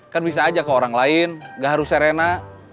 kan bisa aja ke orang lain gak harus serena